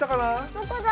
どこだ？